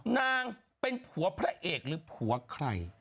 นางเป็นผัวพระเอกหรือผัวใคร